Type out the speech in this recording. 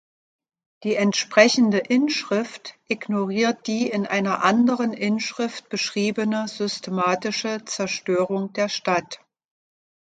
Die entsprechende Inschrift ignoriert die in einer anderen Inschrift beschriebene systematische Zerstörung der Stadt.